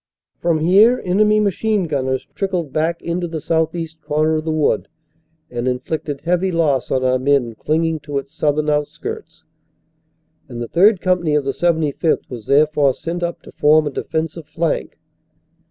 From here enemy machine gunners trickled back into the southeast corner of the wood and inflicted heavy loss on our men clinging to its southern outskirts, and the third company of the 75th. was therefore sent up to form a defensive flank.